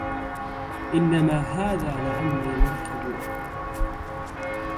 إنما هذا لعمري مركب